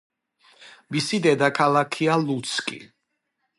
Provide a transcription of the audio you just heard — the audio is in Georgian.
მისი დედაქალაქია ლუცკი.